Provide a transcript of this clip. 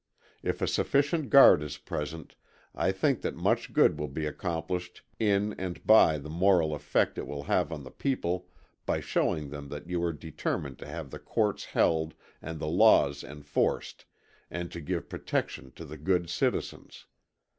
If a sufficient guard is present, I think that much good will be accomplished in and by the moral effect it will have on the people by showing them that you are determined to have the courts held and the laws enforced, and to give protection to the good citizens.